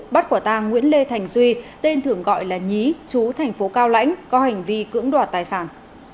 bắt quả tang nguyễn lê thành duy tên thường gọi là nhí chú tp cao lãnh có hành vi cưỡng đoạt tài sản